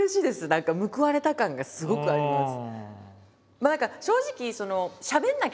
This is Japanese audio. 何か報われた感がすごくあります。